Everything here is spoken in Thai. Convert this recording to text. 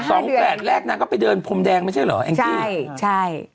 ก็สองแหลกแรกนางก็ไปเดินพรมแดงไม่ใช่เหรอแองกี้ใช่